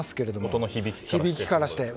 音の響きからして。